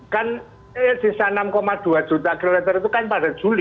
kan sisa enam dua juta kilometer itu kan pada juli